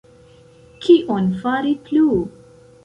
Kion fari plu?